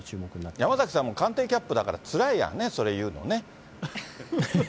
山崎さんも官邸キャップだから、つらいやね、それ言うのね。